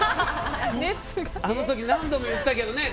あの時、何度も言ったけどね。